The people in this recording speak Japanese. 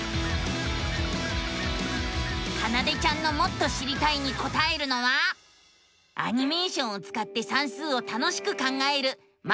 かなでちゃんのもっと知りたいにこたえるのはアニメーションをつかって算数を楽しく考える「マテマティカ２」。